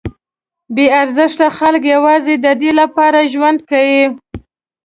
بې ارزښته خلک یوازې ددې لپاره ژوند کوي.